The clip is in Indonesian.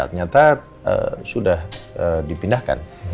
ternyata sudah dipindahkan